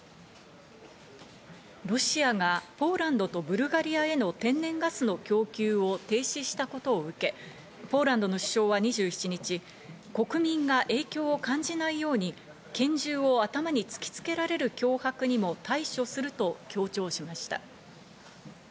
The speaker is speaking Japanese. ロシアがポーランドとブルガリアへの天然ガスの供給を停止したことを受け、ポーランドの首相は２７日、国民が影響を感じないように拳銃を頭に突きつけられる脅迫にも対処すると強調しました。